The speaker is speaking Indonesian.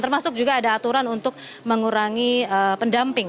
termasuk juga ada aturan untuk mengurangi pendamping